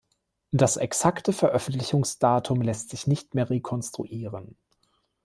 Das exakte Veröffentlichungsdatum lässt nicht mehr rekonstruieren.